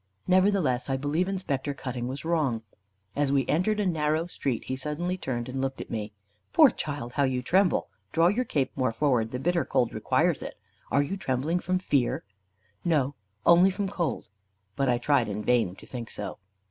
Nevertheless, I believe Inspector Cutting was wrong. As we entered a narrow street he suddenly turned and looked at me. "Poor child! how you tremble! Draw your cape more forward; the bitter cold requires it. Are you trembling from fear?" "No; only from cold." But I tried in vain to think so.